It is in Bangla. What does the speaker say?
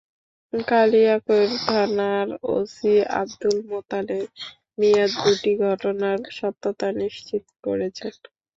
কালিয়াকৈর থানার ওসি আবদুল মোতালেব মিয়া দুটি ঘটনার সত্যতা নিশ্চিত করেছেন।